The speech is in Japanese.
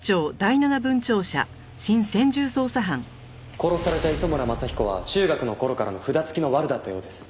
殺された磯村正彦は中学の頃からの札付きのワルだったようです。